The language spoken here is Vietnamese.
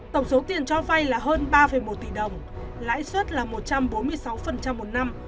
tổng số tiền cho vay là hơn ba một tỷ đồng lãi suất là một trăm bốn mươi sáu một năm